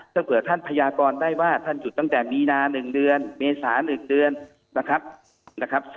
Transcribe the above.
ถ้าเผื่อท่านพยากรได้ว่าท่านจุดตั้งแต่มีนา๑เดือนเมษา๑เดือนนะครับ